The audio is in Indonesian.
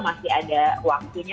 masih ada waktunya